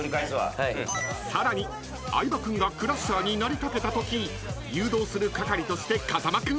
［さらに相葉君がクラッシャーになりかけたとき誘導する係として風間君を選出］